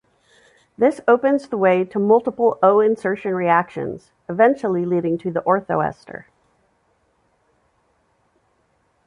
This opens the way to multiple O-insertion reactions, eventually leading to the orthoester.